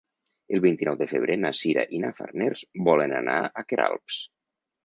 El vint-i-nou de febrer na Sira i na Farners volen anar a Queralbs.